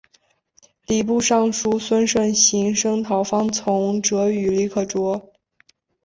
礼部尚书孙慎行声讨方从哲与李可灼。